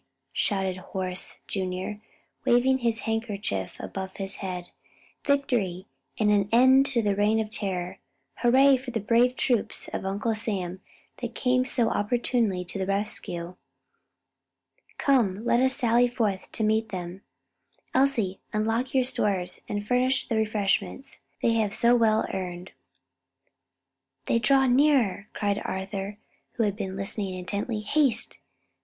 shouted Horace, Jr., waving his handkerchief about his head, "victory, and an end to the reign of terror! Hurrah for the brave troops of Uncle Sam that came so opportunely to the rescue! Come, let us sally forth to meet them. Elsie, unlock your stores and furnish the refreshments they have so well earned." "They draw nearer!" cried Arthur, who had been listening intently. "Haste!